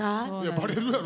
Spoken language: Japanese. バレるやろ。